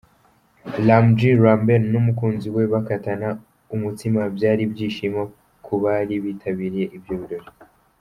Lam G Lambert n'umukunzi we bakatana umutsimaByari ibyishimo kubari bitabiriye ibyo birori.